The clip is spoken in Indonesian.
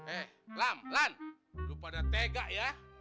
eh lam lam lu pada tega ya